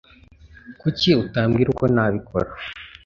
Kuki utambwira uko nabikora?